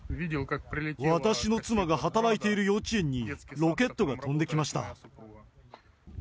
私の妻が働いている幼稚園に、ロケットが飛んできました。